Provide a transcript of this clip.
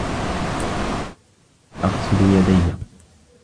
أَغْسِلُ يَدَيَّ.